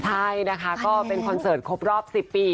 ใช่นะคะก็เป็นคอนเสิร์ตครบรอบ๑๐ปี